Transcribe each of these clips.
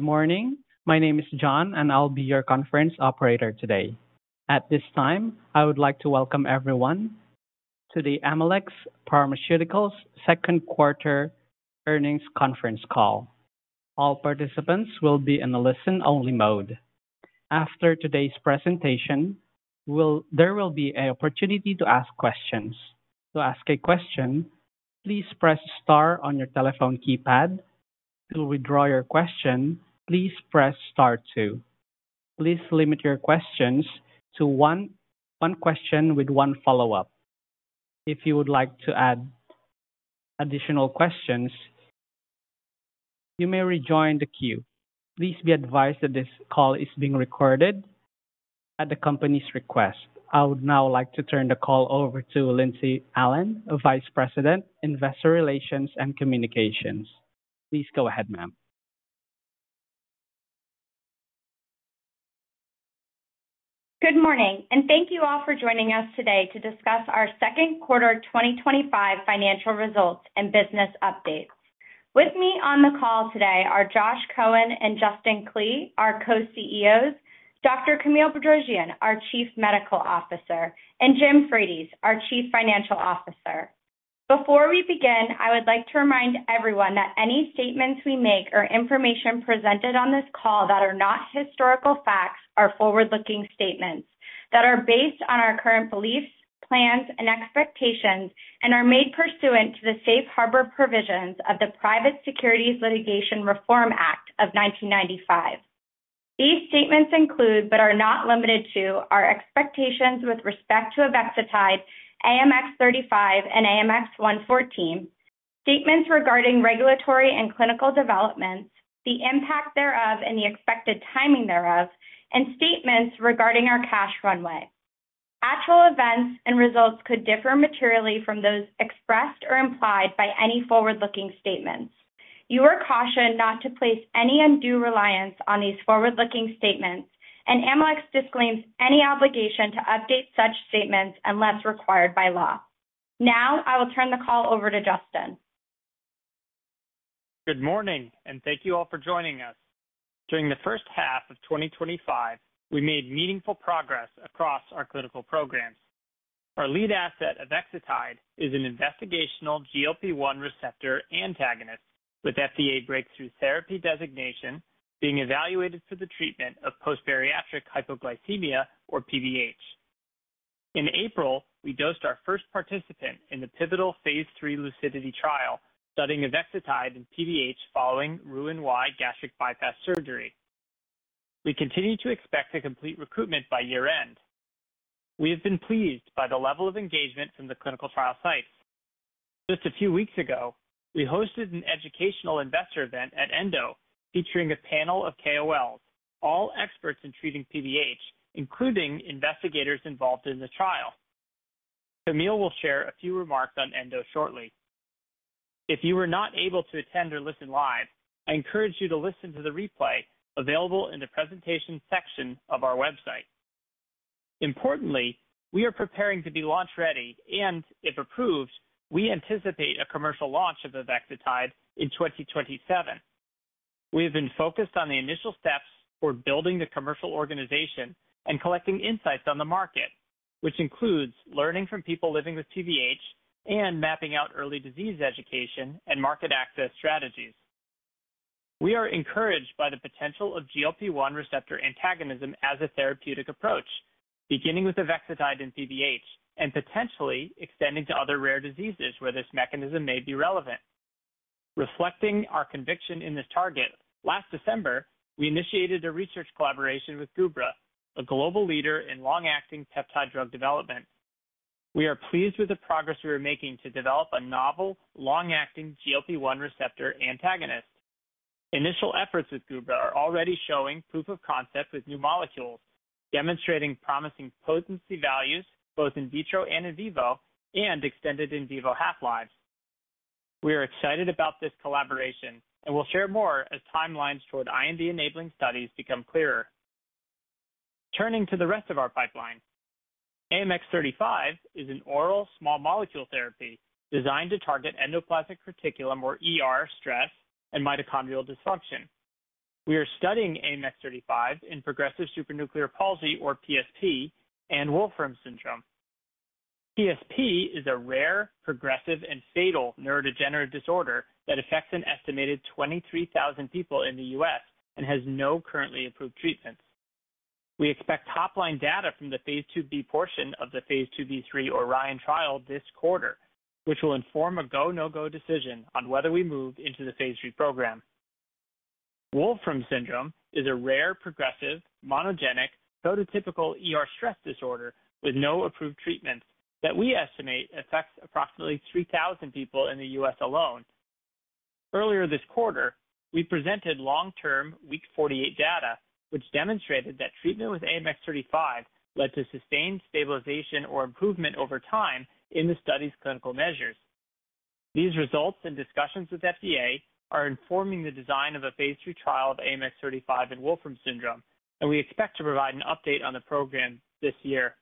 Good morning. My name is John and I'll be your conference operator today. At this time I would like to welcome everyone to the Amylyx Pharmaceuticals Second Quarter Earnings Conference Call. All participants will be in a listen-only mode. After today's presentation there will be an opportunity to ask questions. To ask a question please press star on your telephone keypad. To withdraw your question please press star two. Please limit your questions to one question with one follow-up. If you would like to add additional questions you may rejoin the queue. Please be advised that this call is being recorded at the company's request. I would now like to turn the call over to Lindsey Allen Vice President Investor Relations and Communications. Please go ahead ma'am. Good morning and thank you all for joining us today to discuss our Second Quarter 2025 Financial Results and Business Update. With me on the call today are Josh Cohen and Justin Klee our Co-CEOs Dr. Camille Bedrosian our Chief Medical Officer and Jim Frates our Chief Financial Officer. Before we begin I would like to remind everyone that any statements we make or information presented on this call that are not historical facts are forward-looking statements that are based on our current beliefs plans and expectations and are made pursuant to the Safe Harbor provisions of the Private Securities Litigation Reform Act of 1995. These statements include but are not limited to our expectations with respect to Avexitide AMX0035 and AMX0114 statements regarding regulatory and clinical developments the impact thereof and the expected timing thereof and statements regarding our cash runway. Actual events and results could differ materially from those expressed or implied by any forward-looking statements. You are cautioned not to place any undue reliance on these forward-looking statements and Amylyx disclaims any obligation to update such statements unless required by law. Now I will turn the call over to Justin. Good morning and thank you all for joining us. During the first half of 2025 we made meaningful progress across our clinical programs. Our lead asset Avexitide is an investigational GLP-1 receptor antagonist with FDA breakthrough therapy designation being evaluated for the treatment of post-bariatric hypoglycemia or PBH. In April we dosed our first participant in the pivotal phase III LUCIDITY trial studying Avexitide in PBH following Roux-en-Y gastric bypass surgery. We continue to expect a complete recruitment by year-end. We have been pleased by the level of engagement from the clinical trial sites. Just a few weeks ago we hosted an educational investor event at ENDO featuring a panel of KOLs all experts in treating PBH including investigators involved in the trial. Camille will share a few remarks on ENDO shortly. If you were not able to attend or listen live I encourage you to listen to the replay available in the presentation section of our website. Importantly we are preparing to be launch-ready and if approved we anticipate a commercial launch of Avexitide in 2027. We have been focused on the initial steps for building the commercial organization and collecting insights on the market which includes learning from people living with PBH and mapping out early disease education and market access strategies. We are encouraged by the potential of GLP-1 receptor antagonism as a therapeutic approach beginning with Avexitide in PBH and potentially extending to other rare diseases where this mechanism may be relevant. Reflecting our conviction in this target last December we initiated a research collaboration with Gubra a global leader in long-acting peptide drug development. We are pleased with the progress we are making to develop a novel long-acting GLP-1 receptor antagonist. Initial efforts with Gubra are already showing proof of concept with new molecules demonstrating promising potency values both in vitro and in vivo and extended in vivo half-lives. We are excited about this collaboration and will share more as timelines toward IND-enabling studies become clearer. Turning to the rest of our pipeline AMX0035 is an oral small molecule therapy designed to target endoplasmic reticulum or ER stress and mitochondrial dysfunction. We are studying AMX0035 in progressive supranuclear palsy or PSP and Wolfram syndrome. PSP is a rare progressive and fatal neurodegenerative disorder that affects an estimated 23,000 people in the U.S. and has no currently approved treatments. We expect top-line data from the phase II-B portion of the phase II-B/3 ORION trial this quarter which will inform a go/no-go decision on whether we move into the phase III program. Wolfram syndrome is a rare progressive monogenic prototypical stress disorder with no approved treatments that we estimate affects approximately 3,000 people in the U.S. alone. Earlier this quarter we presented long-term week 48 data which demonstrated that treatment with AMX0035 led to sustained stabilization or improvement over time in the study's clinical measures. These results and discussions with the FDA are informing the design of a phase III trial of AMX0035 and Wolfram syndrome and we expect to provide an update on the program this year.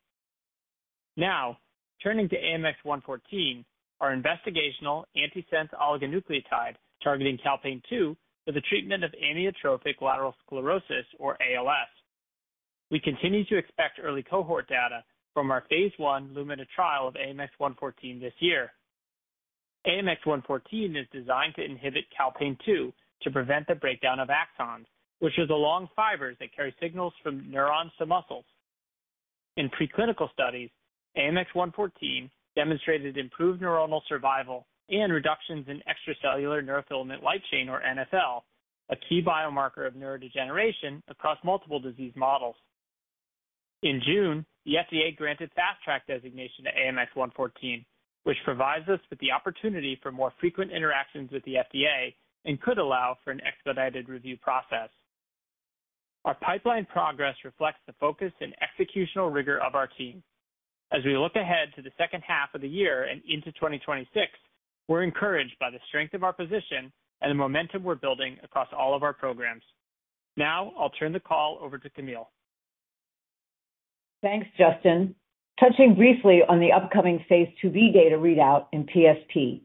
Now turning to AMX0114 our investigational antisense oligonucleotide targeting Calpain-2 for the treatment of amyotrophic lateral sclerosis or ALS. We continue to expect early cohort data from our phase I LUMINA trial of AMX0114 this year. AMX0114 is designed to inhibit Calpain-2 to prevent the breakdown of Axon which are the long fibers that carry signals from neurons to muscles. In preclinical studies AMX0114 demonstrated improved neuronal survival and reductions in extracellular neurofilament light chain or NfL a key biomarker of neurodegeneration across multiple disease models. In June the FDA granted Fast Track designation to AMX0114 which provides us with the opportunity for more frequent interactions with the FDA and could allow for an expedited review process. Our pipeline progress reflects the focus and executional rigor of our team. As we look ahead to the second half of the year and into 2026 we're encouraged by the strength of our position and the momentum we're building across all of our programs. Now I'll turn the call over to Camille. Thanks Justin. Touching briefly on the upcoming phase II-B data readout in PSP.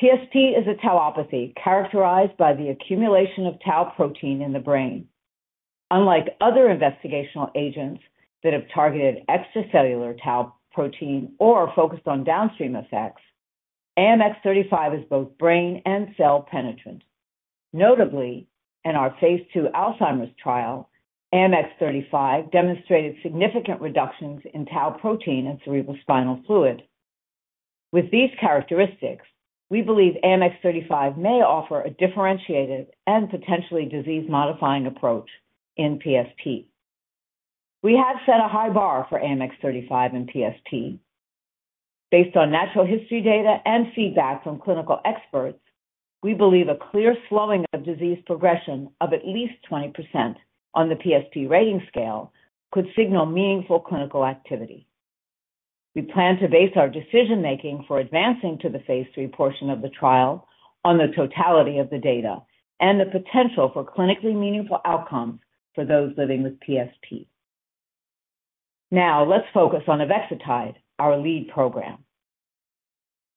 PSP is a tauopathy characterized by the accumulation of tau protein in the brain. Unlike other investigational agents that have targeted extracellular tau protein or are focused on downstream effects AMX0035 is both brain and cell penetrant. Notably in our phase II Alzheimer's trial AMX0035 demonstrated significant reductions in tau protein and cerebrospinal fluid. With these characteristics we believe AMX0035 may offer a differentiated and potentially disease-modifying approach in PSP. We have set a high bar for AMX0035 in PSP. Based on natural history data and feedback from clinical experts we believe a clear slowing of disease progression of at least 20% on the PSP rating scale could signal meaningful clinical activity. We plan to base our decision-making for advancing to the phase III portion of the trial on the totality of the data and the potential for clinically meaningful outcomes for those living with PSP. Now let's focus on Avexitide our lead program.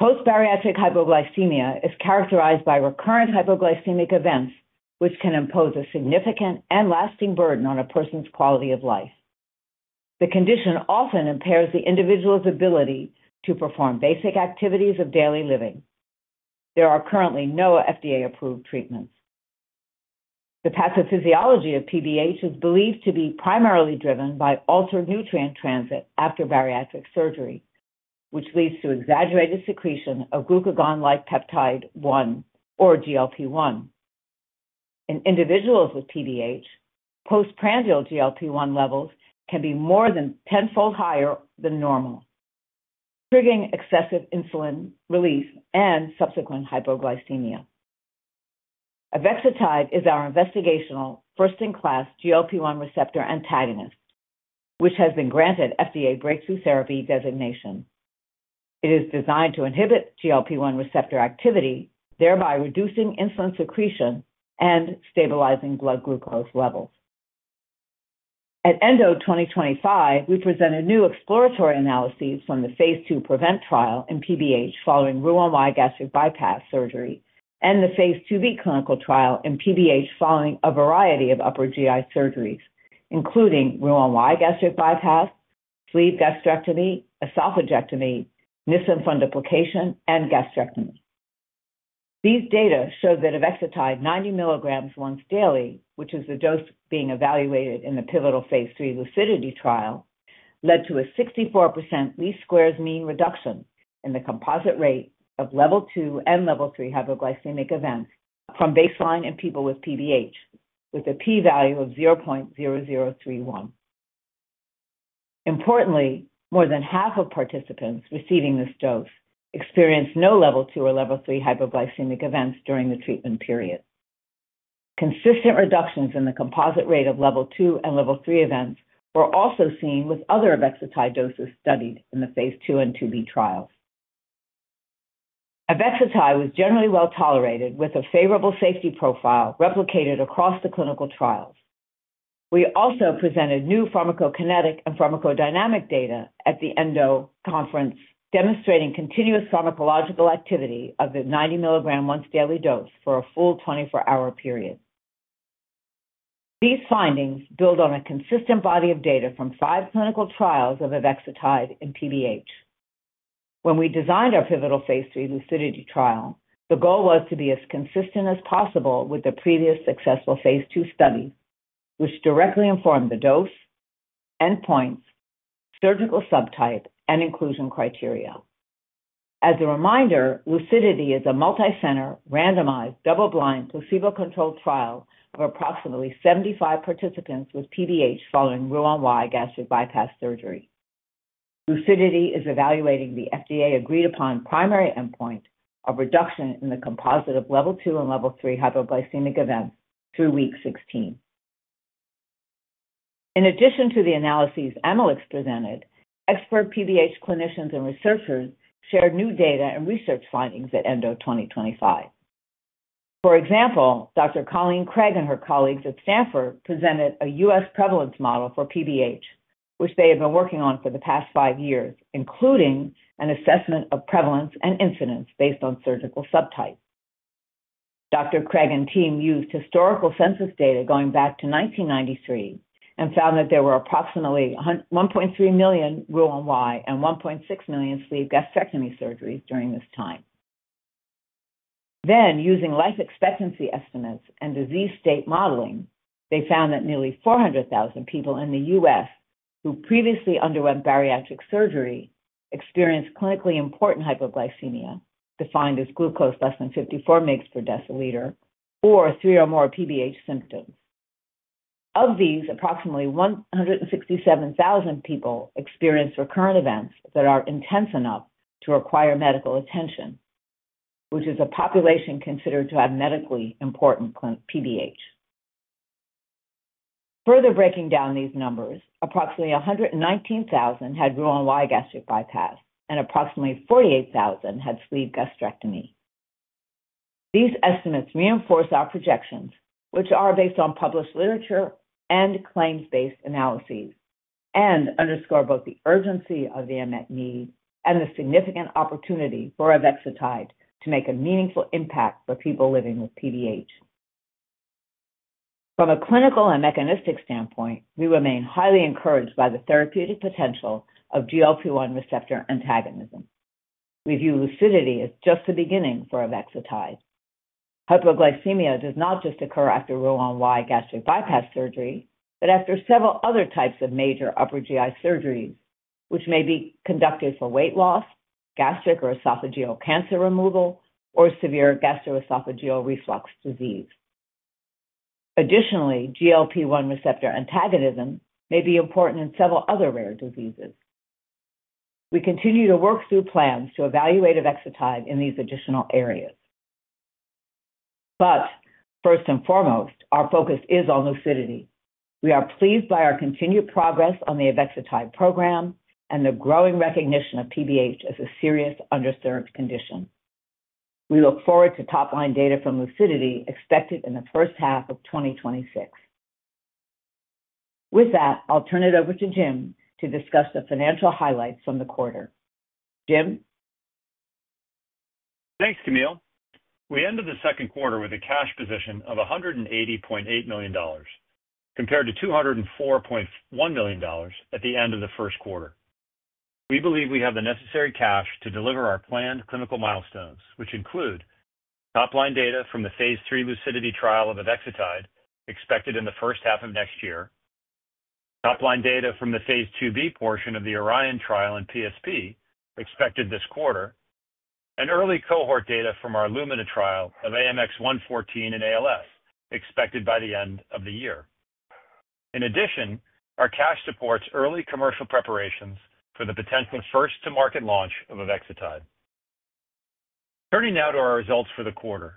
Post-bariatric hypoglycemia is characterized by recurrent hypoglycemic events which can impose a significant and lasting burden on a person's quality of life. The condition often impairs the individual's ability to perform basic activities of daily living. There are currently no FDA-approved treatments. The pathophysiology of PBH is believed to be primarily driven by altered nutrient transit after bariatric surgery which leads to exaggerated secretion of glucagon-like peptide 1 or GLP-1. In individuals with PBH postprandial GLP-1 levels can be more than tenfold higher than normal triggering excessive insulin release and subsequent hypoglycemia. Avexitide is our investigational first-in-class GLP-1 receptor antagonist which has been granted FDA breakthrough therapy designation. It is designed to inhibit GLP-1 receptor activity thereby reducing insulin secretion and stabilizing blood glucose levels. At ENDO 2025 we presented new exploratory analyses from the phase II PREVENT trial in PBH following Roux-en-Y gastric bypass surgery and the phase II-B clinical trial in PBH following a variety of upper GI surgeries including Roux-en-Y gastric bypass sleeve gastrectomy esophagectomyq nissen fundoplication and gastrectomy. These data show that Avexitide 90 milligrams once daily which is the dose being evaluated in the pivotal phase III LUCIDITY trial led to a 64% least squares mean reduction in the composite rate of level 2 and level 3 hypoglycemic events from baseline in people with PBH with a p value of 0.0031. Importantly more than half of participants receiving this dose experienced no level 2 or level 3 hypoglycemic events during the treatment period. Consistent reductions in the composite rate of level 2 and level 3 events were also seen with other Avexitide doses studied in the phase II and II-B trials. Avexitide was generally well tolerated with a favorable safety profile replicated across the clinical trials. We also presented new pharmacokinetic and pharmacodynamic data at the ENDO conference demonstrating continuous pharmacological activity of the 90-milligram once daily dose for a full 24-hour period. These findings build on a consistent body of data from five clinical trials of Avexitide in PBH. When we designed our pivotal phase III LUCIDITY trial the goal was to be as consistent as possible with the previous successful phase II study which directly informed the dose endpoints surgical subtype and inclusion criteria. As a reminder LUCIDITY is a multicenter randomized double-blind placebo-controlled trial of approximately 75 participants with PBH following Roux-en-Y gastric bypass surgery. LUCIDITY is evaluating the FDA-agreed-upon primary endpoint of reduction in the composite of level 2 and level 3 hypoglycemic events through week 16. In addition to the analyses Amylyx presented expert PBH clinicians and researchers shared new data and research findings at ENDO 2025. For example Dr. Colleen Craig and her colleagues at Stanford presented a U.S. prevalence model for PBH which they have been working on for the past five years including an assessment of prevalence and incidence based on surgical subtype. Dr. Craig and team used historical census data going back to 1993 and found that there were approximately 1.3 million Roux-en-Y and 1.6 million sleeve gastrectomy surgeries during this time. Using life expectancy estimates and disease state modeling they found that nearly 400,000 people in the U.S. who previously underwent bariatric surgery experienced clinically important hypoglycemia defined as glucose less than 54 mgs per deciliter or three or more PBH symptoms. Of these approximately 167,000 people experienced recurrent events that are intense enough to require medical attention which is a population considered to have medically important PBH. Further breaking down these numbers approximately 119,000 had Roux-en-Y gastric bypass and approximately 48,000 had sleeve gastrectomy. These estimates reinforce our projections which are based on published literature and claims-based analyses and underscore both the urgency of the unmet need and the significant opportunity for Avexitide to make a meaningful impact for people living with PBH. From a clinical and mechanistic standpoint we remain highly encouraged by the therapeutic potential of GLP-1 receptor antagonism. We view LUCIDITY as just the beginning for Avexitide. Hypoglycemia does not just occur after Roux-en-Y gastric bypass surgery but after several other types of major upper GI surgeries which may be conducted for weight loss gastric or esophageal cancer removal or severe gastroesophageal reflux disease. Additionally GLP-1 receptor antagonism may be important in several other rare diseases. We continue to work through plans to evaluate Avexitide in these additional areas. First and foremost our focus is on LUCIDITY. We are pleased by our continued progress on the Avexitide program and the growing recognition of PBH as a serious underserved condition. We look forward to top-line data from LUCIDITY expected in the first half of 2026. With that I'll turn it over to Jim to discuss the financial highlights from the quarter. Jim? Thanks Camille. We ended the second quarter with a cash position of $180.8 million compared to $204.1 million at the end of the first quarter. We believe we have the necessary cash to deliver our planned clinical milestones which include top-line data from the phase III LUCIDITY trial of Avexitide expected in the first half of next year top-line data from the phase II-B portion of the ORION trial in PSP expected this quarter and early cohort data from our LUMINA trial of AMX0114 in ALS expected by the end of the year. In addition our cash supports early commercial preparations for the potential first-to-market launch of Avexitide. Turning now to our results for the quarter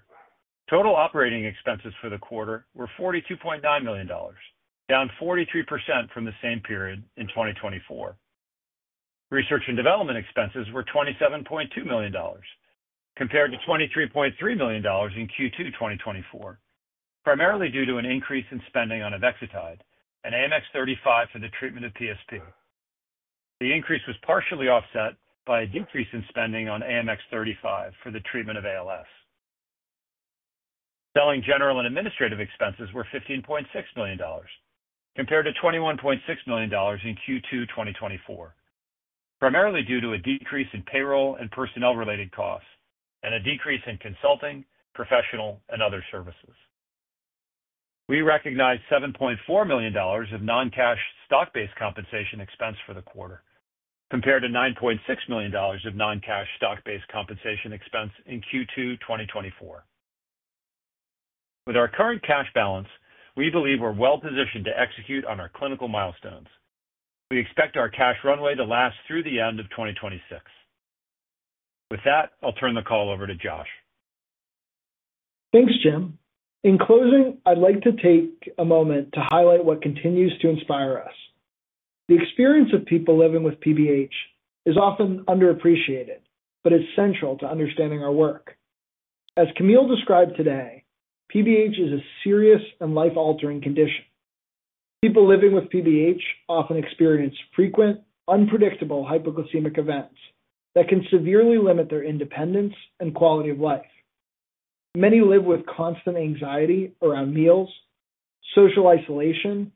total operating expenses for the quarter were $42.9 million down 43% from the same period in 2024. Research and development expenses were $27.2 million compared to $23.3 million in Q2 2024 primarily due to an increase in spending on Avexitide and AMX0035 for the treatment of PSP. The increase was partially offset by a decrease in spending on AMX0035 for the treatment of ALS. Selling general and administrative expenses were $15.6 million compared to $21.6 million in Q2 2024 primarily due to a decrease in payroll and personnel-related costs and a decrease in consulting professional and other services. We recognized $7.4 million of non-cash stock-based compensation expense for the quarter compared to $9.6 million of non-cash stock-based compensation expense in Q2 2024. With our current cash balance we believe we're well positioned to execute on our clinical milestones. We expect our cash runway to last through the end of 2026. With that I'll turn the call over to Josh. Thanks Jim. In closing I'd like to take a moment to highlight what continues to inspire us. The experience of people living with PBH is often underappreciated but it's central to understanding our work. As Camille described today PBH is a serious and life-altering condition. People living with PBH often experience frequent unpredictable hypoglycemic events that can severely limit their independence and quality of life. Many live with constant anxiety around meals social isolation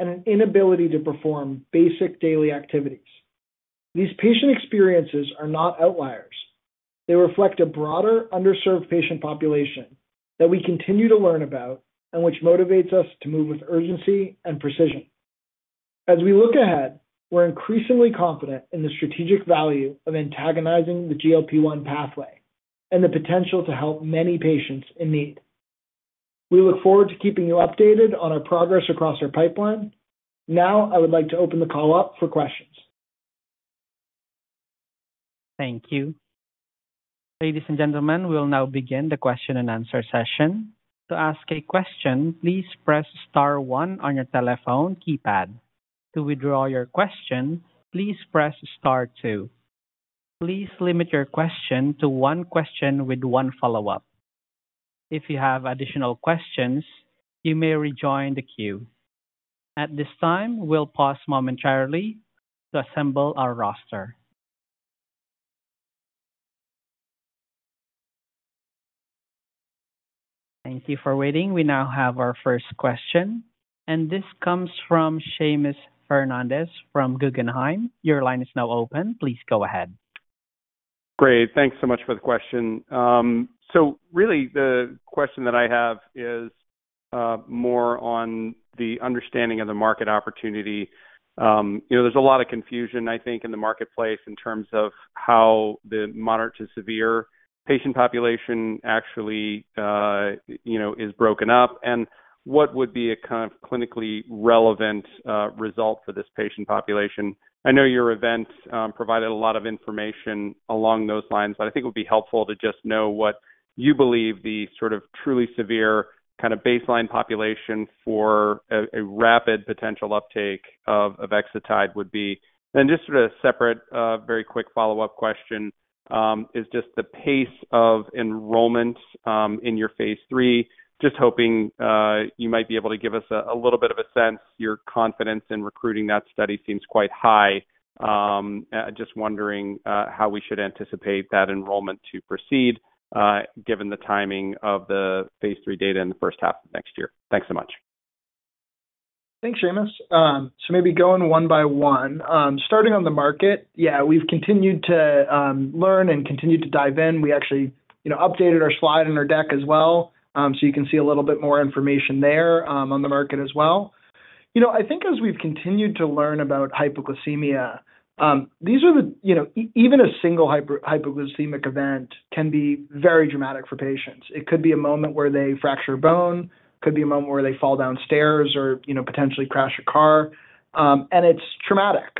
and an inability to perform basic daily activities. These patient experiences are not outliers. They reflect a broader underserved patient population that we continue to learn about and which motivates us to move with urgency and precision. As we look ahead we're increasingly confident in the strategic value of antagonizing the GLP-1 pathway and the potential to help many patients in need. We look forward to keeping you updated on our progress across our pipeline. Now I would like to open the call up for questions. Thank you. Ladies and gentlemen we'll now begin the question-and-answer session. To ask a question please press star one on your telephone keypad. To withdraw your question please press star two. Please limit your question to one question with one follow-up. If you have additional questions you may rejoin the queue. At this time we'll pause momentarily to assemble our roster. Thank you for waiting. We now have our first question and this comes from Seamus Fernandez from Guggenheim. Your line is now open. Please go ahead. Great. Thanks so much for the question. Really the question that I have is more on the understanding of the market opportunity. There's a lot of confusion I think in the marketplace in terms of how the moderate-to-severe patient population actually is broken up. What would be a kind of clinically relevant result for this patient population? I know your event provided a lot of information along those lines but I think it would be helpful to just know what you believe the sort of truly severe kind of baseline population for a rapid potential uptake of Avexitide would be? Just a separate very quick follow-up question is just the pace of enrollment in your phase III. Just hoping you might be able to give us a little bit of a sense. Your confidence in recruiting that study seems quite high. Just wondering how we should anticipate that enrollment to proceed given the timing of the phase III data in the first half of next year. Thanks so much. Thanks Seamus. Maybe going one by one starting on the market we've continued to learn and continue to dive in. We actually updated our slide and our deck as well so you can see a little bit more information there on the market as well. I think as we've continued to learn about hypoglycemia even a single hypoglycemic event can be very dramatic for patients. It could be a moment where they fracture a bone could be a moment where they fall down stairs or potentially crash a car and it's traumatic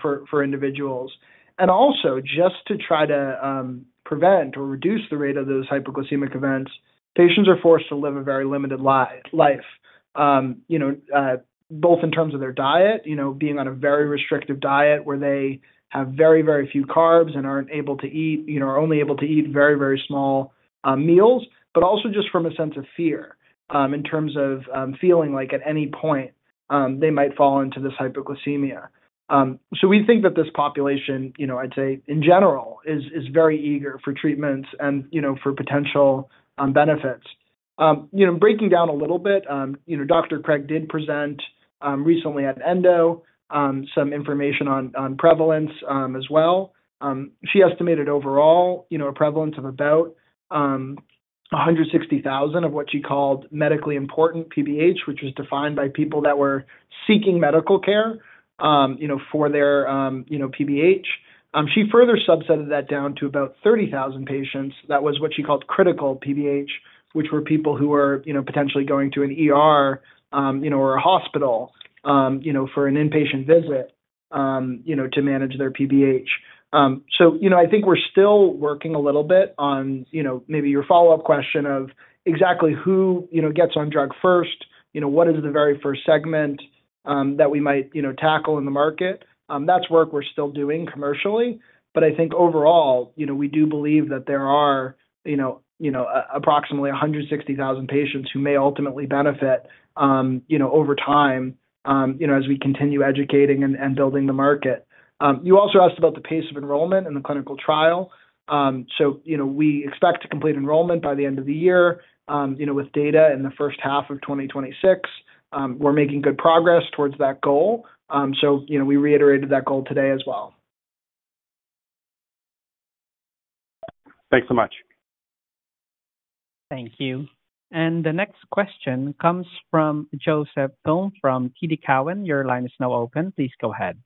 for individuals. Also just to try to prevent or reduce the rate of those hypoglycemic events patients are forced to live a very limited life both in terms of their diet being on a very restrictive diet where they have very very few carbs and aren't able to eat are only able to eat very very small meals but also just from a sense of fear in terms of feeling like at any point they might fall into this hypoglycemia. We think that this population in general is very eager for treatments and for potential benefits. Breaking down a little bit Dr. Craig did present recently at ENDO some information on prevalence as well. She estimated overall a prevalence of about 160,000 of what she called medically important PBH which was defined by people that were seeking medical care for their PBH. She further subsetted that down to about 30,000 patients that was what she called critical PBH which were people who were potentially going to an ER or a hospital for an inpatient visit to manage their PBH. I think we're still working a little bit on maybe your follow-up question of exactly who gets on drug first what is the very first segment that we might tackle in the market. That's work we're still doing commercially but I think overall we do believe that there are approximately 160,000 patients who may ultimately benefit over time as we continue educating and building the market. You also asked about the pace of enrollment in the clinical trial. We expect to complete enrollment by the end of the year with data in the first half of 2026. We're making good progress towards that goal. We reiterated that goal today as well. Thanks so much. Thank you. The next question comes from Joseph Thome from TD Cowen. Your line is now open. Please go ahead.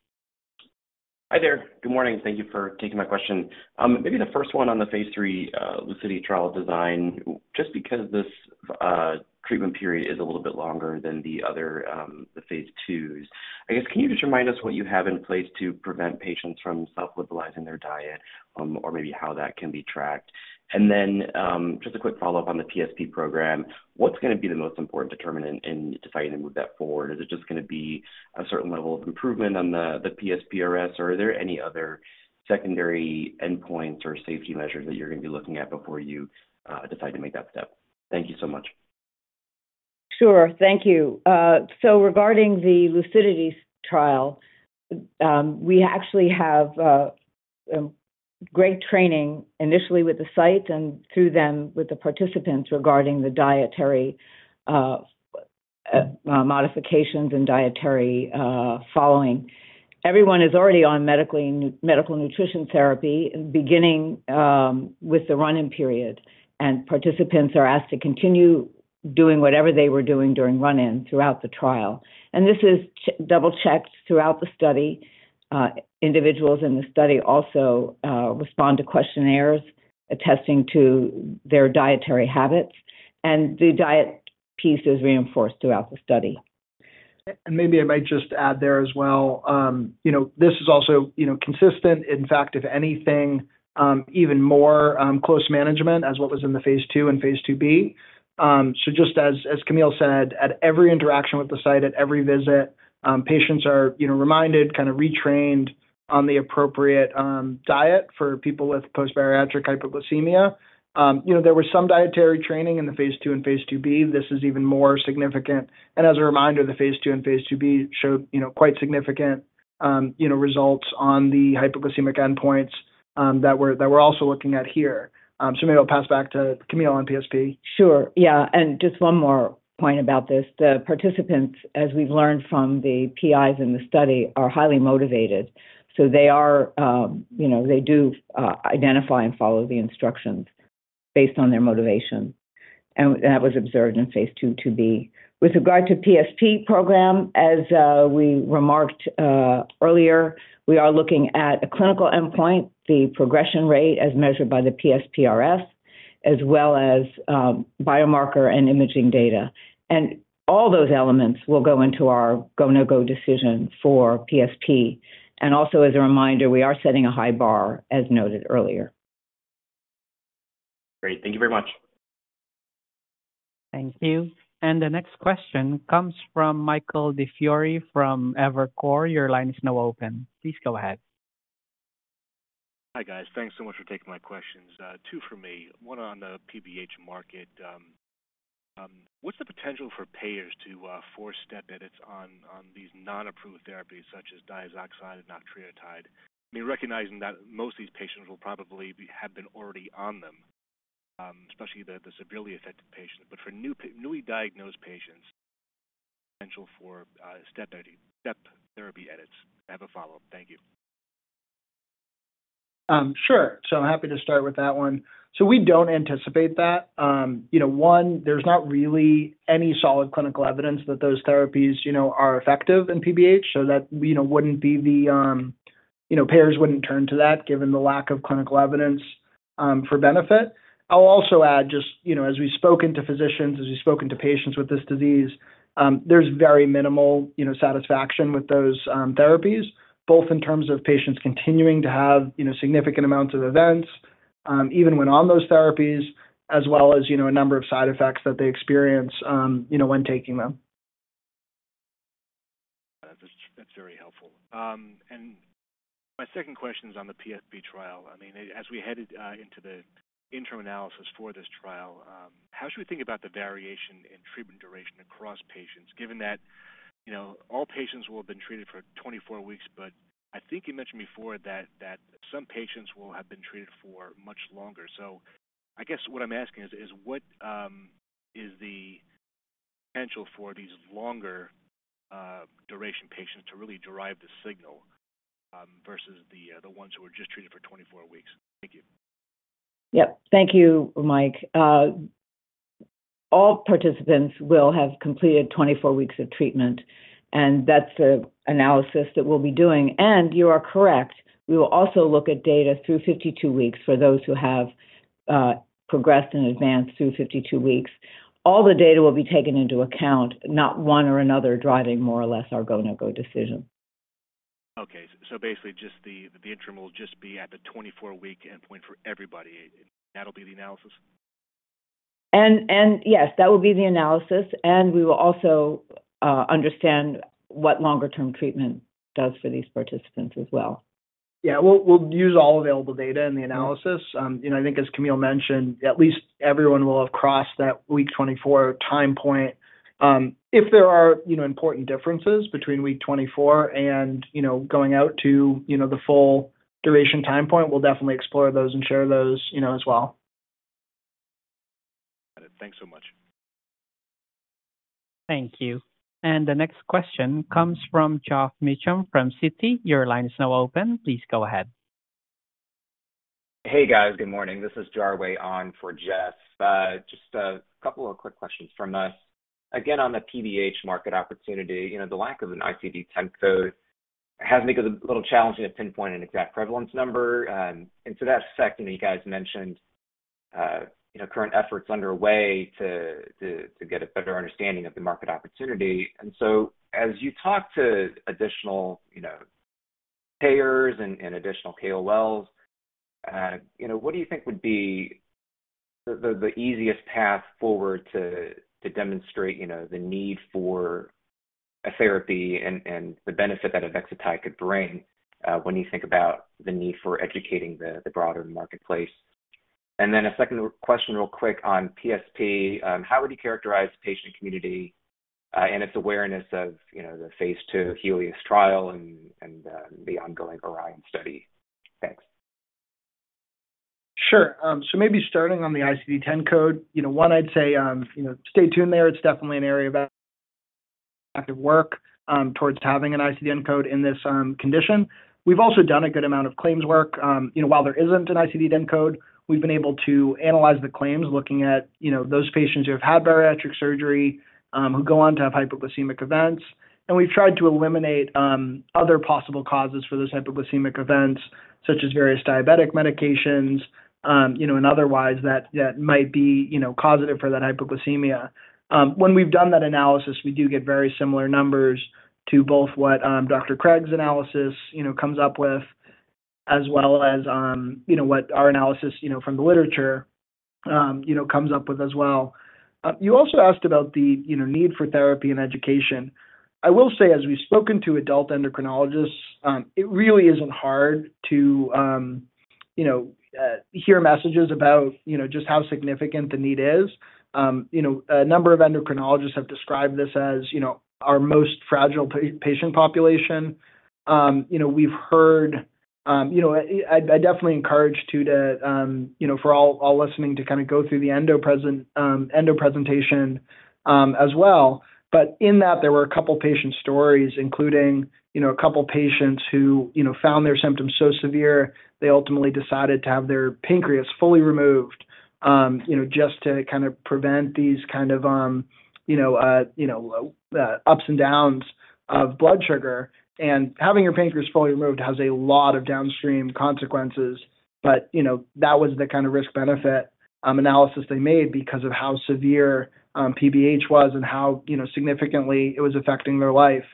Hi there. Good morning. Thank you for taking my question. Maybe the first one on the phase III LUCIDITY trial design just because this treatment period is a little bit longer than the other the phase IIs. I guess can you just remind us what you have in place to prevent patients from self-liberalizing their diet or maybe how that can be tracked? Just a quick follow-up on the PSP program. What's going to be the most important determinant in deciding to move that forward? Is it just going to be a certain level of improvement on the PSPRS or are there any other secondary endpoints or safety measures that you're going to be looking at before you decide to make that step? Thank you so much. Sure. Thank you. Regarding the LUCIDITY trial we actually have great training initially with the site and through them with the participants regarding the dietary modifications and dietary following. Everyone is already on medical nutrition therapy beginning with the run-in period and participants are asked to continue doing whatever they were doing during run-in throughout the trial. This is double-checked throughout the study. Individuals in the study also respond to questionnaires attesting to their dietary habits and the diet piece is reinforced throughout the study. Maybe I might just add there as well you know this is also you know consistent. In fact if anything even more close management as what was in the phase II and phase II-B. Just as Camille said at every interaction with the site at every visit patients are you know reminded kind of retrained on the appropriate diet for people with post-bariatric hypoglycemia. There was some dietary training in the phase II and phase II-B. This is even more significant. As a reminder the phase II and phase II-B showed you know quite significant you know results on the hypoglycemic endpoints that we're also looking at here. Maybe I'll pass back to Camille on PSP. Sure. Yeah. Just one more point about this. The participants as we've learned from the PIs in the study are highly motivated. They do identify and follow the instructions based on their motivation. That was observed in phase II-B. With regard to the PSP program as we remarked earlier we are looking at a clinical endpoint the progression rate as measured by the PSPRS as well as biomarker and imaging data. All those elements will go into our go/no-go decision for PSP. Also as a reminder we are setting a high bar as noted earlier. Great. Thank you very much. Thank you. The next question comes from Michael DiFiore from Evercore. Your line is now open. Please go ahead. Hi guys. Thanks so much for taking my questions. Two for me. One on the PBH market. What's the potential for payers to force step edits on these non-approved therapies such as diazoxide and octreotide? I mean recognizing that most of these patients will probably have been already on them especially the severely affected patients. For newly diagnosed patients potential for step therapy edits. I have a follow-up. Thank you. Sure. I'm happy to start with that one. We don't anticipate that. One there's not really any solid clinical evidence that those therapies are effective in PBH. That wouldn't be the case. Payers wouldn't turn to that given the lack of clinical evidence for benefit. I'll also add as we've spoken to physicians and as we've spoken to patients with this disease there's very minimal satisfaction with those therapies both in terms of patients continuing to have significant amounts of events even when on those therapies as well as a number of side effects that they experience when taking them. That's very helpful. My second question is on the PSP trial. As we headed into the interim analysis for this trial how should we think about the variation in treatment duration across patients given that all patients will have been treated for 24 weeks but I think you mentioned before that some patients will have been treated for much longer. I guess what I'm asking is what is the potential for these longer duration patients to really derive the signal versus the ones who are just treated for 24 weeks? Thank you. Thank you Mike. All participants will have completed 24 weeks of treatment and that's the analysis that we'll be doing. You are correct. We will also look at data through 52 weeks for those who have progressed and advanced through 52 weeks. All the data will be taken into account not one or another driving more or less our go/no-go decision. Okay. Basically the interim will just be at the 24-week endpoint for everybody. That'll be the analysis? Yes that will be the analysis. We will also understand what longer-term treatment does for these participants as well. Yeah. We'll use all available data in the analysis. You know I think as Camille mentioned at least everyone will have crossed that week 24 time point. If there are important differences between week 24 and you know going out to the full duration time point we'll definitely explore those and share those as well. Got it. Thanks so much. Thank you. The next question comes from Geoff Mecham from Citi. Your line is now open. Please go ahead. Hey guys. Good morning. This is Jarwe on for Geoff. Just a couple of quick questions from us. Again on the PBH market opportunity the lack of an ICD-10 code has made it a little challenging to pinpoint an exact prevalence number. To that effect you mentioned current efforts underway to get a better understanding of the market opportunity. As you talk to additional payers and additional KOLs what do you think would be the easiest path forward to demonstrate the need for a therapy and the benefit that Avexitide could bring when you think about the need for educating the broader marketplace? A second question real quick on PSP. How would you characterize the patient community and its awareness of the phase II HELIOS trial and the ongoing Orion study? Thanks. Sure. Maybe starting on the ICD-10 code I'd say stay tuned there. It's definitely an area of active work towards having an ICD-10 code in this condition. We've also done a good amount of claims work. While there isn't an ICD-10 code we've been able to analyze the claims looking at those patients who have had bariatric surgery who go on to have hypoglycemic events. We've tried to eliminate other possible causes for those hypoglycemic events such as various diabetic medications and otherwise that might be causative for that hypoglycemia. When we've done that analysis we do get very similar numbers to both what Dr. Craig's analysis comes up with as well as what our analysis from the literature comes up with as well. You also asked about the need for therapy and education. I will say as we've spoken to adult endocrinologists it really isn't hard to hear messages about just how significant the need is. A number of endocrinologists have described this as our most fragile patient population. We've heard I definitely encourage too for all listening to kind of go through the ENDO presentation as well. In that there were a couple patient stories including a couple patients who found their symptoms so severe they ultimately decided to have their pancreas fully removed just to kind of prevent these ups and downs of blood sugar. Having your pancreas fully removed has a lot of downstream consequences but that was the kind of risk-benefit analysis they made because of how severe PBH was and how significantly it was affecting their life.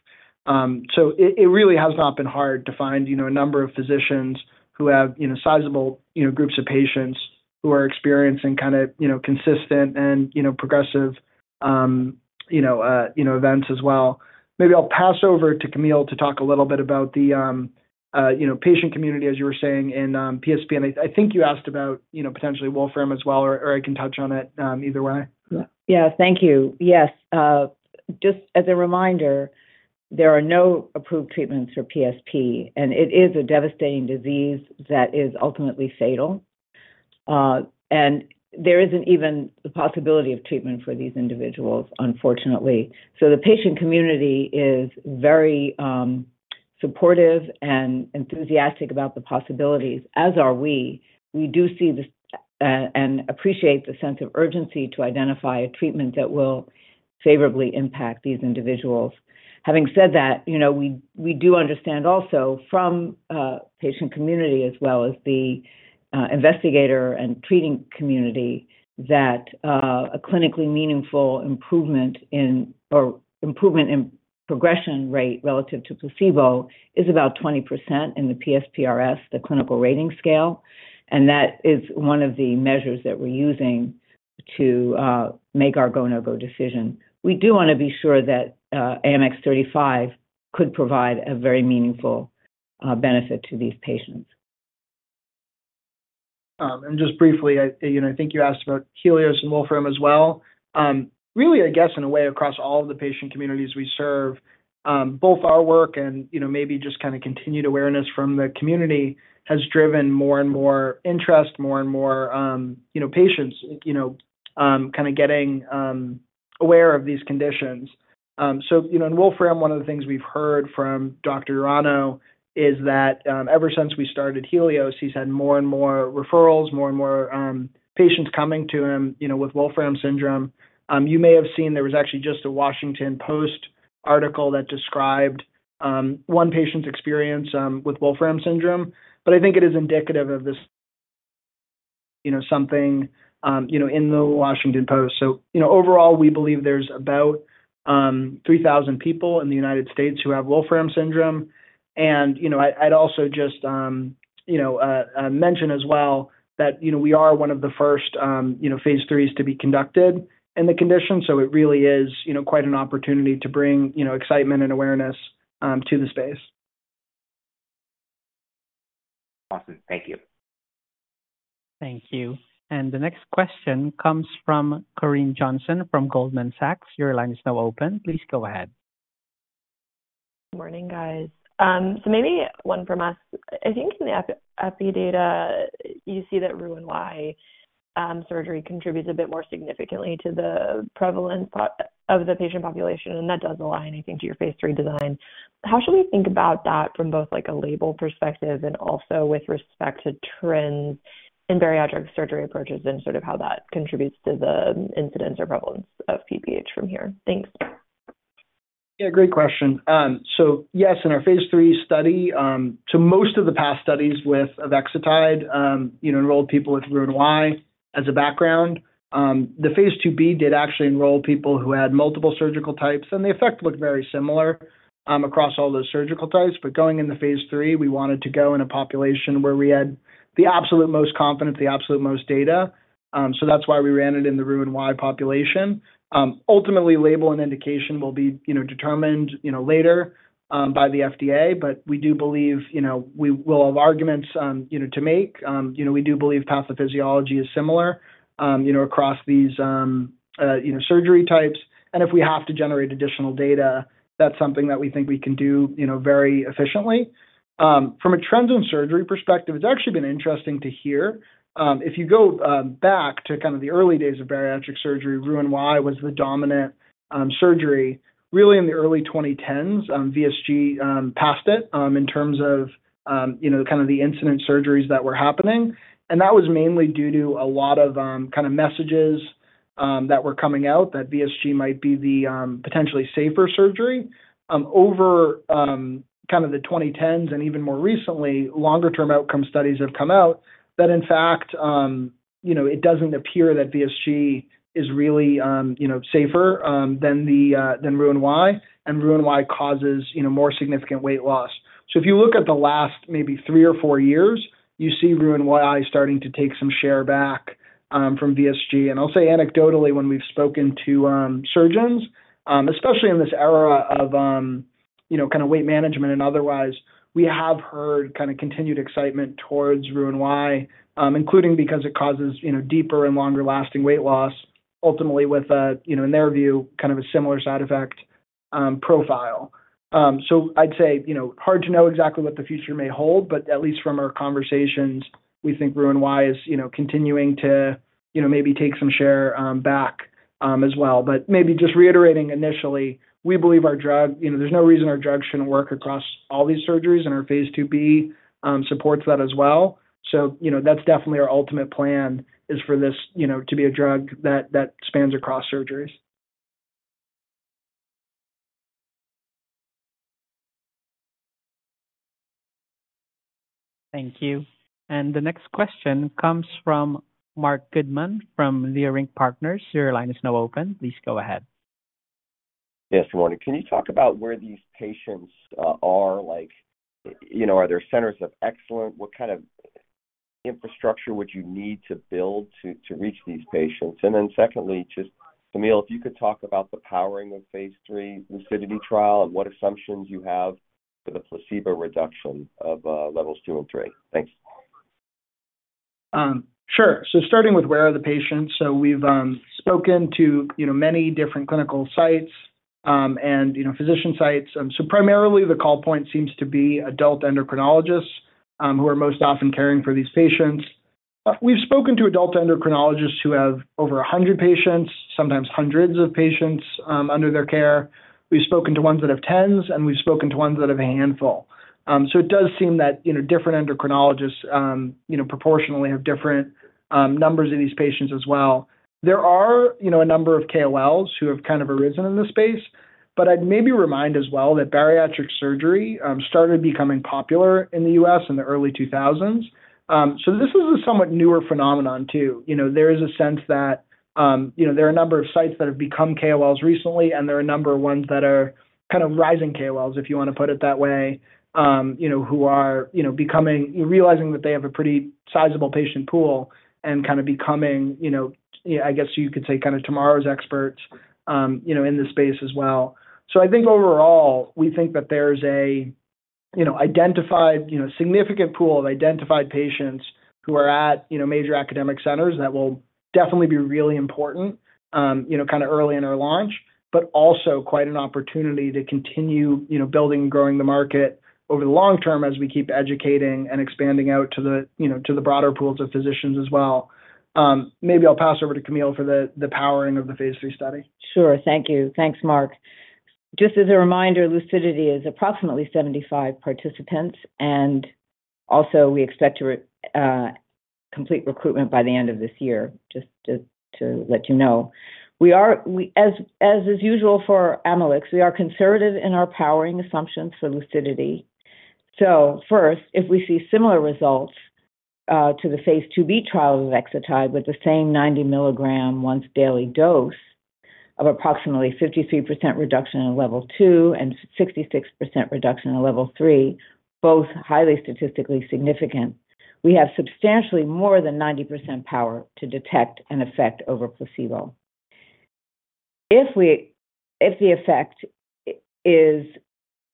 It really has not been hard to find a number of physicians who have sizable groups of patients who are experiencing kind of consistent and progressive events as well. Maybe I'll pass over to Camille to talk a little bit about the patient community as you were saying in PSP. I think you asked about potentially Wolfram as well or I can touch on it either way. Yeah. Thank you. Yes. Just as a reminder there are no approved treatments for progressive supranuclear palsy and it is a devastating disease that is ultimately fatal. There isn't even the possibility of treatment for these individuals unfortunately. The patient community is very supportive and enthusiastic about the possibilities as are we. We do see this and appreciate the sense of urgency to identify a treatment that will favorably impact these individuals. Having said that we do understand also from the patient community as well as the investigator and treating community that a clinically meaningful improvement in or improvement in progression rate relative to placebo is about 20% in the PSPRS the clinical rating scale. That is one of the measures that we're using to make our go/no-go decision. We do want to be sure that AMX0035 could provide a very meaningful benefit to these patients. Just briefly I think you asked about Helios and Wolfram as well. Across all of the patient communities we serve both our work and continued awareness from the community has driven more and more interest more and more patients getting aware of these conditions. In Wolfram one of the things we've heard from Dr. Urano is that ever since we started Helios he's had more and more referrals more and more patients coming to him with Wolfram syndrome. You may have seen there was actually just a Washington Post article that described one patient's experience with Wolfram syndrome. I think it is indicative of this something in the Washington Post. Overall we believe there's about 3,000 people in the United States who have Wolfram syndrome. I'd also just mention as well that we are one of the first phase IIIs to be conducted in the condition. It really is quite an opportunity to bring excitement and awareness to the space. Awesome. Thank you. Thank you. The next question comes from Corinne Johnson from Goldman Sachs. Your line is now open. Please go ahead. Morning guys. Maybe one from us. I think in the FD data you see that Roux-en-Y gastric bypass surgery contributes a bit more significantly to the prevalence of the patient population and that does align I think to your phase III design. How should we think about that from both like a label perspective and also with respect to trends in bariatric surgery approaches and sort of how that contributes to the incidence or prevalence of PBH from here? Thanks. Yeah. Great question. Yes in our phase III study most of the past studies with Avexitide enrolled people with Roux-en-Y as a background. The phase II-B did actually enroll people who had multiple surgical types and the effect looked very similar across all those surgical types. Going into phase III we wanted to go in a population where we had the absolute most confidence the absolute most data. That's why we ran it in the Roux-en-Y population. Ultimately label and indication will be determined later by the FDA. We do believe we will have arguments to make. We do believe pathophysiology is similar across these surgery types. If we have to generate additional data that's something that we think we can do very efficiently. From a trends in surgery perspective it's actually been interesting to hear. If you go back to kind of the early days of bariatric surgery Roux-en-Y was the dominant surgery. Really in the early 2010s VSG passed it in terms of the incident surgeries that were happening. That was mainly due to a lot of messages that were coming out that VSG might be the potentially safer surgery. Over the 2010s and even more recently longer-term outcome studies have come out that in fact it doesn't appear that VSG is really safer than Roux-en-Y. Roux-en-Y causes more significant weight loss. If you look at the last maybe three or four years you see Roux-en-Y starting to take some share back from VSG. I'll say anecdotally when we've spoken to surgeons especially in this era of weight management and otherwise we have heard continued excitement towards Roux-en-Y including because it causes deeper and longer-lasting weight loss ultimately with in their view a similar side effect profile. I'd say it's hard to know exactly what the future may hold but at least from our conversations we think Roux-en-Y is continuing to maybe take some share back as well. Maybe just reiterating initially we believe our drug there's no reason our drug shouldn't work across all these surgeries and our phase II-B supports that as well. That's definitely our ultimate plan for this to be a drug that spans across surgeries. Thank you. The next question comes from Marc Goodman from Leerink Partners. Your line is now open. Please go ahead. Yes. Good morning. Can you talk about where these patients are? Like you know are there centers of excellence? What kind of infrastructure would you need to build to reach these patients? Secondly just Camille if you could talk about the powering of phase III LUCIDITY trial and what assumptions you have for the placebo reduction of levels two and three. Thanks. Sure. Starting with where are the patients? We've spoken to many different clinical sites and physician sites. Primarily the call point seems to be adult endocrinologists who are most often caring for these patients. We've spoken to adult endocrinologists who have over 100 patients sometimes hundreds of patients under their care. We've spoken to ones that have tens and we've spoken to ones that have a handful. It does seem that different endocrinologists proportionately have different numbers of these patients as well. There are a number of KOLs who have kind of arisen in this space. I'd maybe remind as well that bariatric surgery started becoming popular in the U.S. in the early 2000s. This is a somewhat newer phenomenon too. There is a sense that there are a number of sites that have become KOLs recently and there are a number of ones that are kind of rising KOLs if you want to put it that way who are realizing that they have a pretty sizable patient pool and kind of becoming I guess you could say kind of tomorrow's experts in this space as well. Overall we think that there's a significant pool of identified patients who are at major academic centers that will definitely be really important early in our launch but also quite an opportunity to continue building and growing the market over the long term as we keep educating and expanding out to the broader pools of physicians as well. Maybe I'll pass over to Camille for the powering of the phase III study. Sure. Thank you. Thanks Mark. Just as a reminder LUCIDITY is approximately 75 participants and we expect to complete recruitment by the end of this year just to let you know. As is usual for Amylyx we are conservative in our powering assumptions for LUCIDITY. If we see similar results to the phase IIB trial of Avexitide with the same 90-milligram once daily dose of approximately 53% reduction in level 2 and 66% reduction in level 3 both highly statistically significant we have substantially more than 90% power to detect an effect over placebo. If the effect is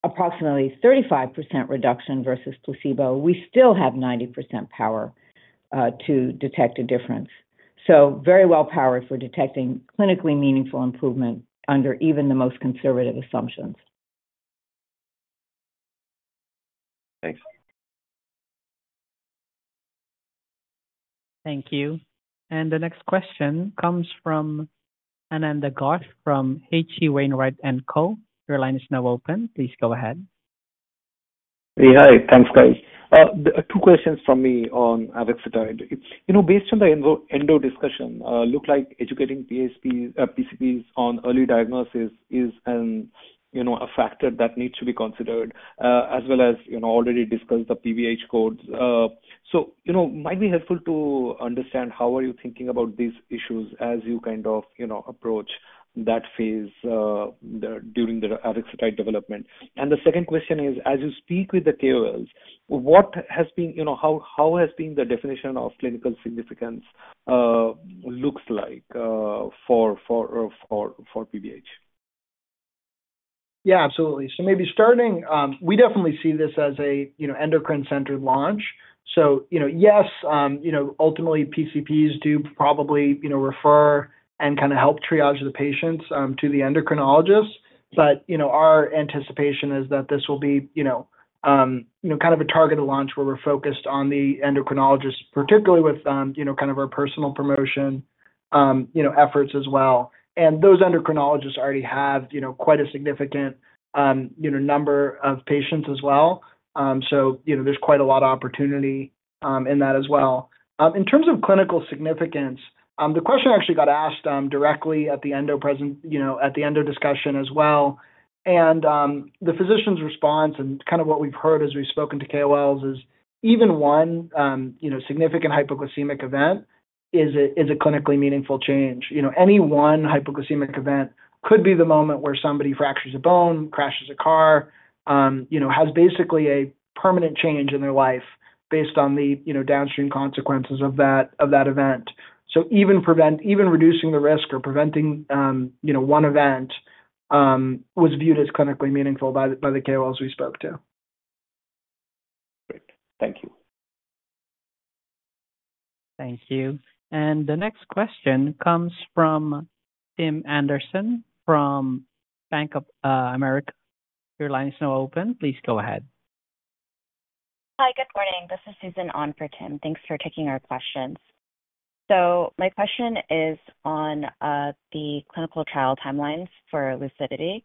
approximately 35% reduction versus placebo we still have 90% power to detect a difference. Very well powered for detecting clinically meaningful improvement under even the most conservative assumptions. Thanks. Thank you. The next question comes from Ananda Ghosh from H.C. Wainwright & Co. Your line is now open. Please go ahead. Yeah. Hi. Thanks guys. Two questions from me on Avexitide. Based on the endo discussion it looks like educating PCPs on early diagnosis is a factor that needs to be considered as well as already discussed the PBH codes. It might be helpful to understand how you are thinking about these issues as you approach that phase during the Avexitide development. The second question is as you speak with the KOLs what has been the definition of clinical significance looks like for PBH? Absolutely. Maybe starting we definitely see this as an endocrine-centered launch. Yes ultimately PCPs do probably refer and help triage the patients to the endocrinologists. Our anticipation is that this will be a targeted launch where we're focused on the endocrinologists particularly with our personal promotion efforts as well. Those endocrinologists already have quite a significant number of patients as well. There's quite a lot of opportunity in that as well. In terms of clinical significance the question I actually got asked directly at the endo present at the endo discussion as well. The physician's response and what we've heard as we've spoken to KOLs is even one significant hypoglycemic event is a clinically meaningful change. Any one hypoglycemic event could be the moment where somebody fractures a bone crashes a car or has basically a permanent change in their life based on the downstream consequences of that event. Even reducing the risk or preventing one event was viewed as clinically meaningful by the KOLs we spoke to. Great. Thank you. Thank you. The next question comes from Tim Anderson from Bank of America. Your line is now open. Please go ahead. Hi. Good morning. This is Susan on for Tim. Thanks for taking our questions. My question is on the clinical trial timelines for LUCIDITY.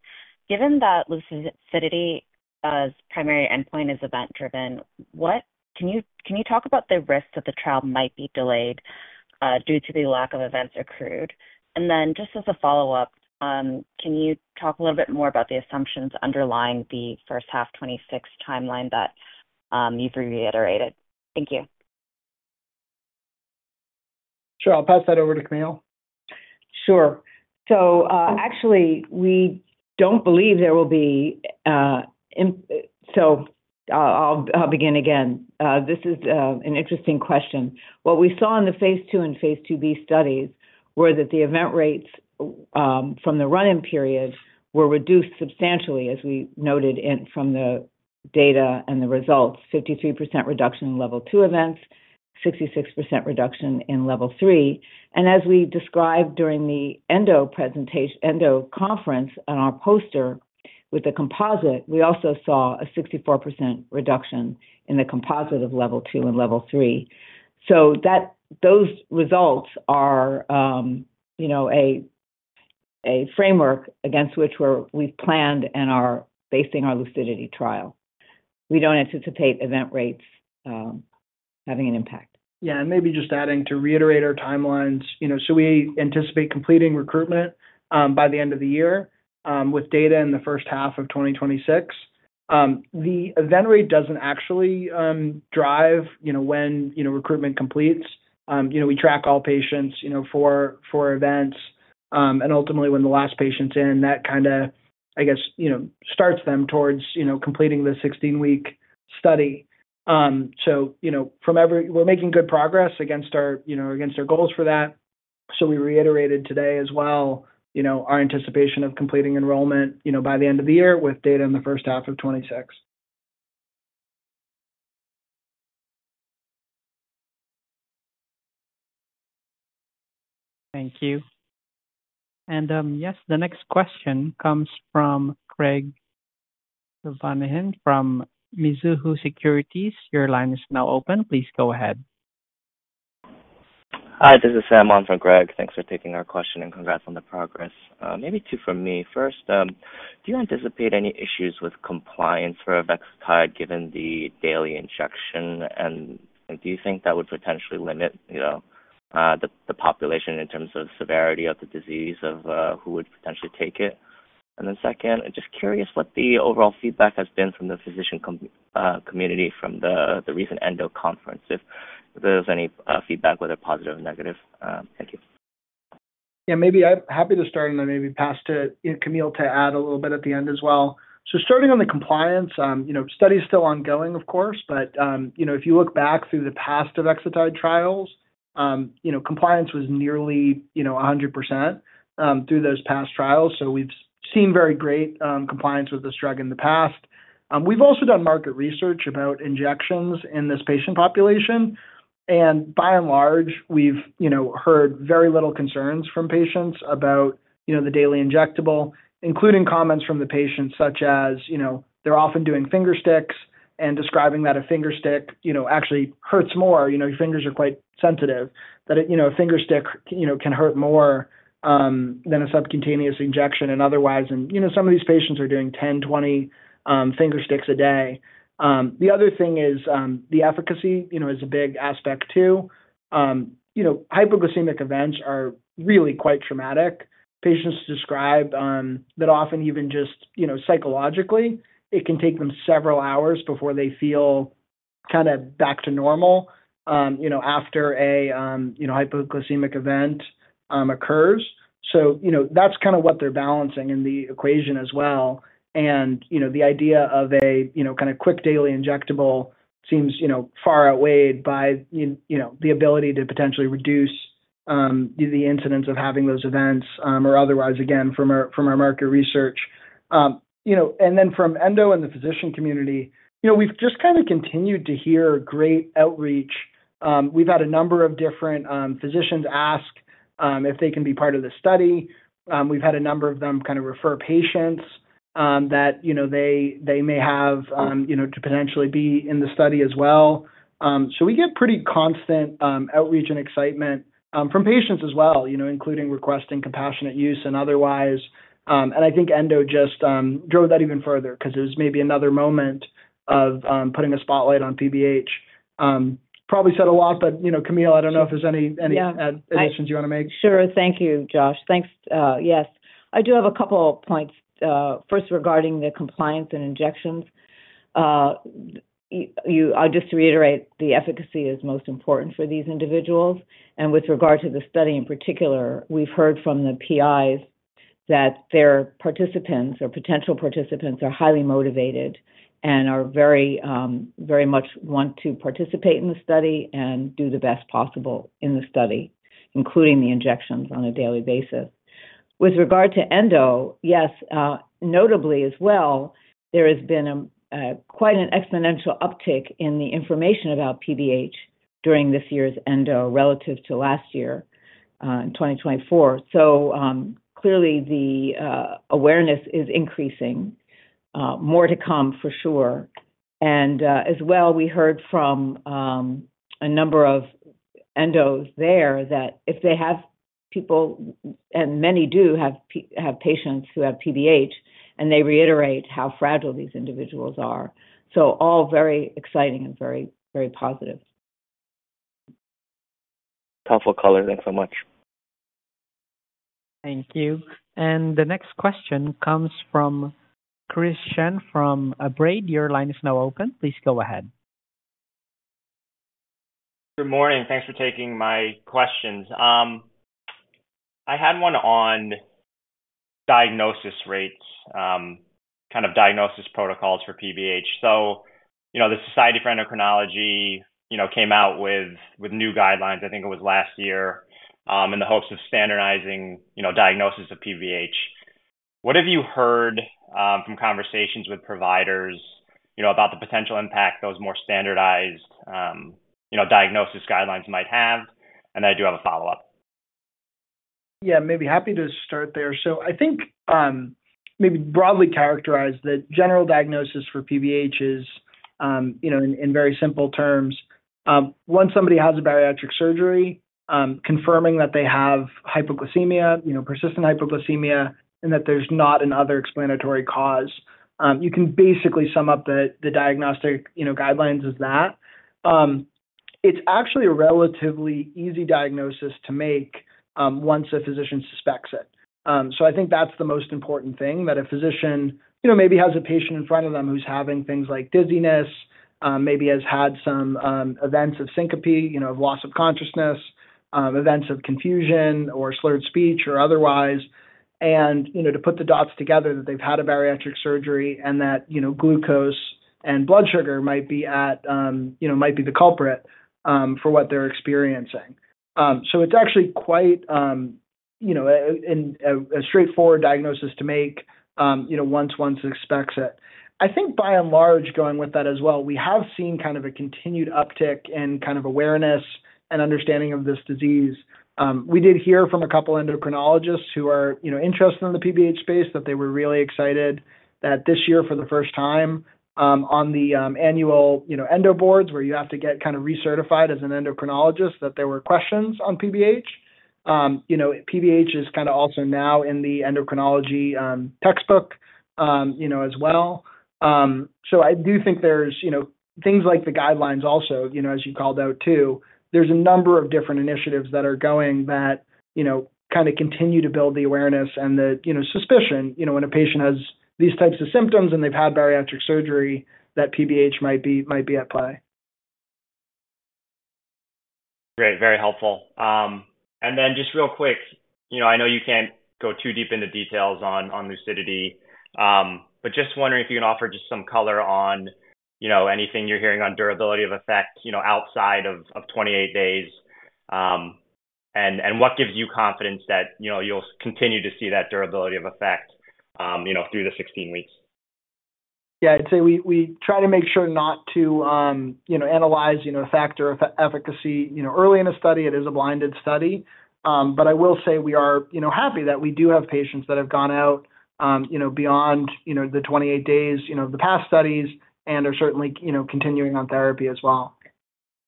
Given that LUCIDITY's primary endpoint is event-driven can you talk about the risk that the trial might be delayed due to the lack of events accrued? Just as a follow-up can you talk a little bit more about the assumptions underlying the first half 2026 timeline that you've reiterated? Thank you. Sure. I'll pass that over to Camille. Sure. Actually we don't believe there will be so I'll begin again. This is an interesting question. What we saw in the phase II and phase II-B studies were that the event rates from the run-in period were reduced substantially as we noted from the data and the results 53% reduction in level 2 events 66% reduction in level 3. As we described during the ENDO presentation ENDO conference on our poster with the composite we also saw a 64% reduction in the composite of level 2 and level 3. Those results are a framework against which we've planned and are basing our LUCIDITY trial. We don't anticipate event rates having an impact. Yeah. Maybe just adding to reiterate our timelines you know we anticipate completing recruitment by the end of the year with data in the first half of 2026. The event rate doesn't actually drive when recruitment completes. We track all patients for events and ultimately when the last patient's in that kind of starts them towards completing the 16-week study. From every angle we're making good progress against our goals for that. We reiterated today as well our anticipation of completing enrollment by the end of the year with data in the first half of 2026. Thank you. Yes the next question comes from Greg Silvanouve from Mizuho Securities. Your line is now open. Please go ahead. Hi. This is Sam on for Greg. Thanks for taking our question and congrats on the progress. Maybe two from me. First do you anticipate any issues with compliance for Avexitide given the daily injection? Do you think that would potentially limit the population in terms of severity of the disease of who would potentially take it? I'm just curious what the overall feedback has been from the physician community from the recent endo conference if there's any feedback whether positive or negative. Thank you. Yeah. Maybe I'm happy to start and then maybe pass to you know Camille to add a little bit at the end as well. Starting on the compliance the study is still ongoing of course but if you look back through the past Avexitide trials compliance was nearly 100% through those past trials. We've seen very great compliance with this drug in the past. We've also done market research about injections in this patient population. By and large we've heard very little concerns from patients about the daily injectable including comments from the patients such as they're often doing fingersticks and describing that a fingerstick actually hurts more. Your fingers are quite sensitive that a fingerstick can hurt more than a subcutaneous injection and otherwise. Some of these patients are doing 10 20 fingersticks a day. The other thing is the efficacy is a big aspect too. Hypoglycemic events are really quite traumatic. Patients describe that often even just psychologically it can take them several hours before they feel kind of back to normal after a hypoglycemic event occurs. That's kind of what they're balancing in the equation as well. The idea of a quick daily injectable seems far outweighed by the ability to potentially reduce the incidence of having those events or otherwise again from our market research. From endo and the physician community we've just kind of continued to hear great outreach. We've had a number of different physicians ask if they can be part of the study. We've had a number of them refer patients that they may have to potentially be in the study as well. We get pretty constant outreach and excitement from patients as well including requesting compassionate use and otherwise. I think endo just drove that even further because it was maybe another moment of putting a spotlight on PBH. Probably said a lot but Camille I don't know if there's any additions you want to make. Yeah. Sure. Thank you Josh. Thanks. Yes. I do have a couple of points. First regarding the compliance and injections I just reiterate the efficacy is most important for these individuals. With regard to the study in particular we've heard from the PIs that their participants or potential participants are highly motivated and very very much want to participate in the study and do the best possible in the study including the injections on a daily basis. With regard to endo notably as well there has been quite an exponential uptick in the information about PBH during this year's endo relative to last year in 2024. Clearly the awareness is increasing. More to come for sure. As well we heard from a number of endos there that if they have people and many do have patients who have PBH they reiterate how fragile these individuals are. All very exciting and very very positive. Helpful color thanks so much. Thank you. The next question comes from Chris Chen from Baird. Your line is now open. Please go ahead. Good morning. Thanks for taking my questions. I had one on diagnosis rates kind of diagnosis protocols for PBH. The Society for Endocrinology came out with new guidelines I think it was last year in the hopes of standardizing diagnosis of PBH. What have you heard from conversations with providers about the potential impact those more standardized diagnosis guidelines might have? I do have a follow-up. Yeah. Maybe happy to start there. I think maybe broadly characterize the general diagnosis for PBH is you know in very simple terms once somebody has a bariatric surgery confirming that they have hypoglycemia you know persistent hypoglycemia and that there's not another explanatory cause you can basically sum up the diagnostic you know guidelines as that. It's actually a relatively easy diagnosis to make once a physician suspects it. I think that's the most important thing that a physician you know maybe has a patient in front of them who's having things like dizziness maybe has had some events of syncope you know of loss of consciousness events of confusion or slurred speech or otherwise and you know to put the dots together that they've had a bariatric surgery and that you know glucose and blood sugar might be at you know might be the culprit for what they're experiencing. It's actually quite you know a straightforward diagnosis to make you know once one suspects it. I think by and large going with that as well we have seen kind of a continued uptick in kind of awareness and understanding of this disease. We did hear from a couple of endocrinologists who are you know interested in the PBH space that they were really excited that this year for the first time on the annual you know endo boards where you have to get kind of recertified as an endocrinologist that there were questions on PBH. You know PBH is kind of also now in the endocrinology textbook you know as well. I do think there's you know things like the guidelines also you know as you called out too. There's a number of different initiatives that are going that you know kind of continue to build the awareness and the you know suspicion you know when a patient has these types of symptoms and they've had bariatric surgery that PBH might be at play. Great. Very helpful. I know you can't go too deep into details on the LUCIDITY trial but just wondering if you can offer just some color on anything you're hearing on durability of effect outside of 28 days and what gives you confidence that you'll continue to see that durability of effect through the 16 weeks. Yeah. I'd say we try to make sure not to you know analyze a factor of efficacy early in a study. It is a blinded study but I will say we are happy that we do have patients that have gone out beyond the 28 days of the past studies and are certainly continuing on therapy as well.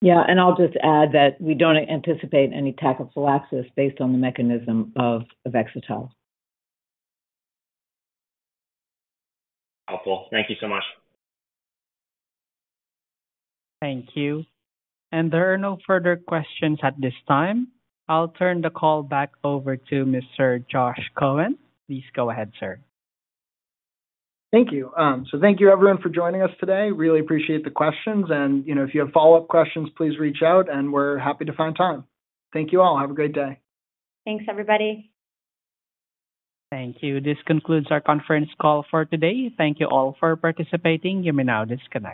I will just add that we don't anticipate any tachyphylaxis based on the mechanism of Avexitide. Helpful. Thank you so much. Thank you. There are no further questions at this time. I'll turn the call back over to Mr. Josh Cohen. Please go ahead sir. Thank you. Thank you everyone for joining us today. Really appreciate the questions. If you have follow-up questions please reach out and we're happy to find time. Thank you all. Have a great day. Thanks everybody. Thank you. This concludes our conference call for today. Thank you all for participating. You may now disconnect.